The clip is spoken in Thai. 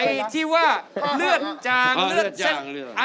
ไอ้ที่ว่าเลือดจางเลือดเส้นเลือด